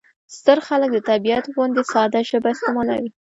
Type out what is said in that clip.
ستر خلک د طبیعت غوندې ساده ژبه استعمالوي.